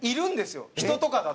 人とかだと。